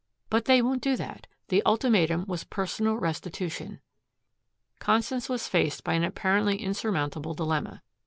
"But they won't do that. The ultimatum was personal restitution." Constance was faced by an apparently insurmountable dilemma.